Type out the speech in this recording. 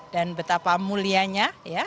dan betapa mulianya